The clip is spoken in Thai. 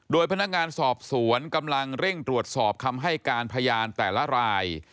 โดยพนักงานสอบสวนกำลังเร่งตรวจสอบคำให้การพยานแต่ละราย